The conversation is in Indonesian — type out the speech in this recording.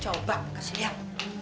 coba kasih liat